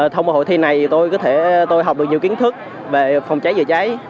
thông bộ hội thi này tôi học được nhiều kiến thức về phòng cháy và cháy